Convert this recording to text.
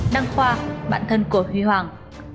đăng khoa bạn thân của huy hoàng